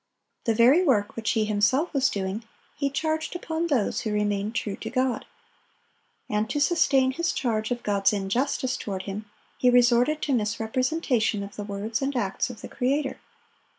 The very work which he himself was doing, he charged upon those who remained true to God. And to sustain his charge of God's injustice toward him, he resorted to misrepresentation of the words and acts of the Creator.